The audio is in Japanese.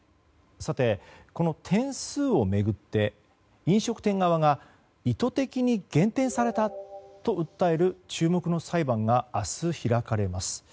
さて、この点数を巡って飲食店側が意図的に減点されたと訴える注目の裁判が明日開かれます。